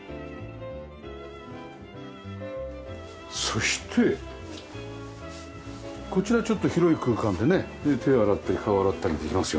そしてこちらはちょっと広い空間でね手洗ったり顔洗ったりできますよね。